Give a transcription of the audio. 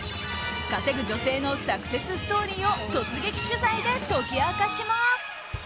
稼ぐ女性のサクセスストーリーを突撃取材で解き明かします！